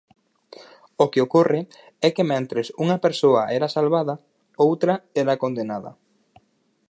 O que ocorre é que mentres unha persoa era salvada, outra era condenada.